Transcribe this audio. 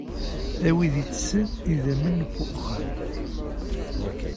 A wid itessen idamen n wuxxam.